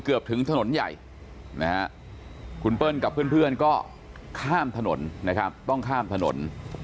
ถึงถนนใหญ่นะฮะคุณเปิ้ลกับเพื่อนก็ข้ามถนนนะครับต้องข้ามถนน